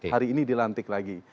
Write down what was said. hari ini dilantik lagi